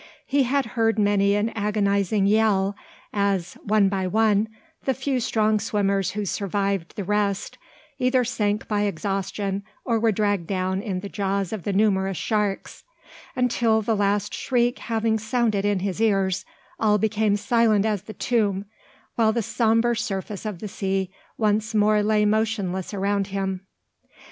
He had heard many an agonising yell as, one by one, the few strong swimmers who survived the rest either sank by exhaustion or were dragged down in the jaws of the numerous sharks; until, the last shriek having sounded in his ears, all became silent as the tomb, while the sombre surface of the sea once more lay motionless around him.